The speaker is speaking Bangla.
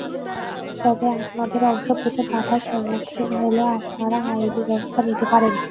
তবে আপনাদের অংশ পেতে বাধার সম্মুখীন হলে আপনারা আইনি ব্যবস্থা নিতে পারেন।